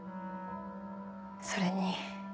それに。